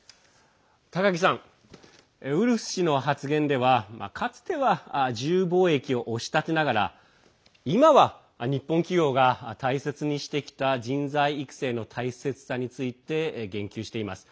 高木さん、ウルフ氏の発言ではかつては自由貿易を押し立てながら今は日本企業が大切にしてきた人材育成の大切さについて言及しています。